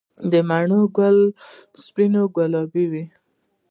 د مڼې ګل سپین او ګلابي وي؟